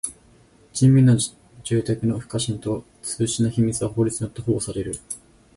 人民の住宅の不可侵と通信の秘密は法律によって保護される。